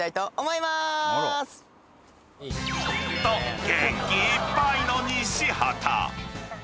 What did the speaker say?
［と元気いっぱいの西畑］